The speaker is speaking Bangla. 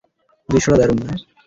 দৃশ্যটা দারুণ, না?